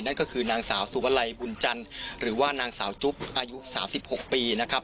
นั่นก็คือนางสาวสุวลัยบุญจันทร์หรือว่านางสาวจุ๊บอายุ๓๖ปีนะครับ